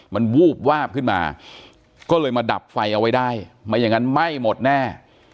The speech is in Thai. มันวูบวาบขึ้นมาก็เลยมาดับไฟเอาไว้ได้ไม่อย่างนั้นไหม้หมดแน่